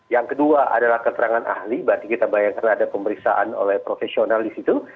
yang kedua adalah keterangan ahli berarti kita bayangkan ada pemeriksaan oleh profesional di situ